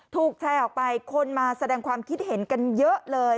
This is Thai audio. ถูกแชร์ออกไปคนมาแสดงความคิดเห็นกันเยอะเลย